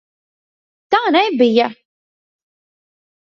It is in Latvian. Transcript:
Tā nebija!